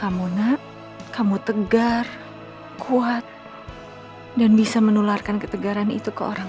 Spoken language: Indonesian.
harusnya tuh gak boleh kayak begini mereka